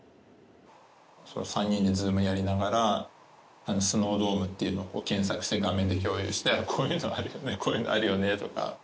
３人でＺｏｏｍやりながらスノードームっていうのを検索して画面で共有してこういうのあるよねこういうのあるよねとか。